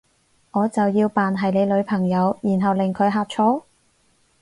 我就要扮係你女朋友，然後令佢呷醋？